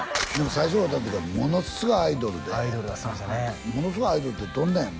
最初会うた時はものすごいアイドルでものすごいアイドルってどんなやん？